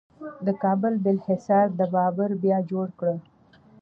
د کابل بالا حصار د بابر بیا جوړ کړ